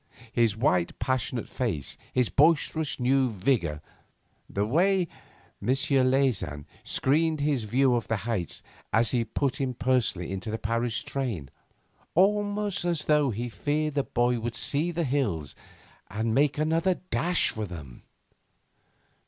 His white, passionate face, his boisterous new vigour, the way M. Leysin screened his view of the heights as he put him personally into the Paris train almost as though he feared the boy would see the hills and make another dash for them!